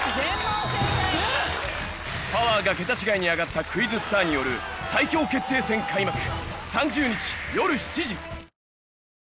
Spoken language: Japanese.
パワーがケタ違いに上がったクイズスターによる最強決定戦開幕